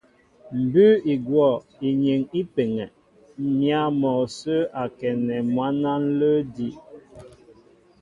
Mbʉ́ʉ́ i gwɔ̂ inyeŋ í peŋɛ m̀yǎ mɔ sə́ a kɛnɛ mwǎn á ǹlə́ edí'.